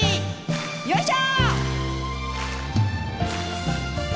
よいしょ！